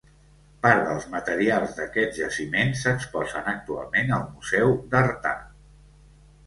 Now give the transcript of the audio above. Part dels materials d'aquest jaciment s'exposen actualment al museu d'Artà.